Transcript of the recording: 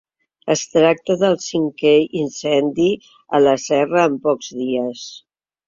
Es tracta del cinquè incendi a la serra en pocs dies.